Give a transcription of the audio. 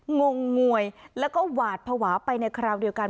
งงงวยแล้วก็หวาดภาวะไปในคราวเดียวกัน